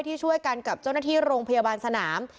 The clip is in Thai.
ที่ช่วยกันกับเจ้าหน้าที่โรงพยาบาลสนาม